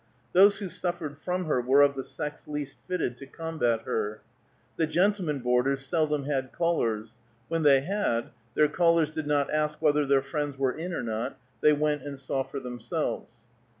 Those who suffered from her were of the sex least fitted to combat her. The gentlemen boarders seldom had callers; when they had, their callers did not ask whether their friends were in or not; they went and saw for themselves.